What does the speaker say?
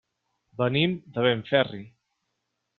Venim de Benferri.